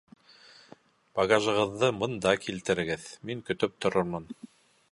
Багажығыҙҙы бында килтерегеҙ, мин көтөп торормон